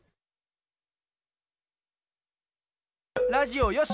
ラジオよし！